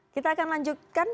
kita akan lanjutkan